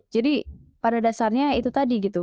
jadi pada dasarnya itu tadi gitu